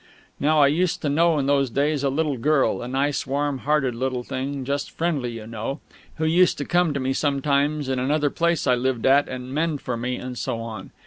Now I used to know in those days a little girl a nice, warm hearted little thing, just friendly you know, who used to come to me sometimes in another place I lived at and mend for me and so on.